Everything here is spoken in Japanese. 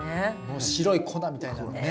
もう白い粉みたいなね。